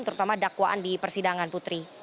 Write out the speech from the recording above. terutama dakwaan di persidangan putri